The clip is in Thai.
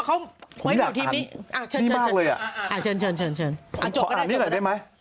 เสร็จครับอุ๊ยอ่าเชิญอ่าเชิญอ่าจบก็ได้เดี๋ยวมาได้ไหม